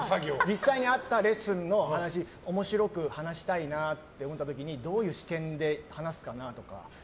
実際にあったレッスンの話面白く話したいなと思った時にどういう視点で話すかなとか。